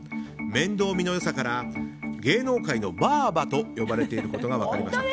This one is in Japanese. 面倒見の良さから芸能界のばぁばと呼ばれていることが分かりました。